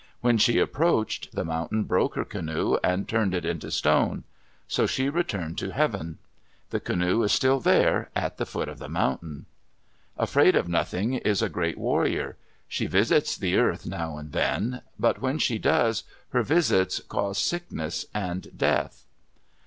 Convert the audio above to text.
When she approached, the mountain broke her canoe and turned it into stone. So she returned to heaven. The canoe is still there at the foot of the mountain. Afraid of Nothing is a great warrior. She visits the earth now and then; but when she does, her visits cause sickness and death.